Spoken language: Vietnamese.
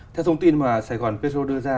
theo thông tin mà sài gòn petro đưa ra